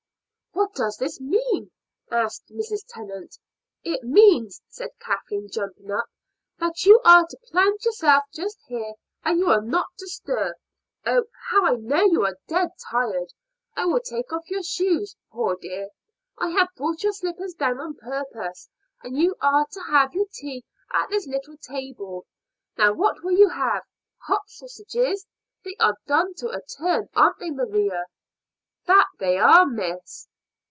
"What does this mean?" said Mrs. Tennant. "It means," said Kathleen, jumping up, "that you are to plant yourself just here, and you are not to stir. Oh, I know you are dead tired. I will take off your shoes, poor dear; I have brought your slippers down on purpose, and you are to have your tea at this little table. Now what will you have? Hot sausages? They are done to a turn, aren't they, Maria?" "That they are, miss."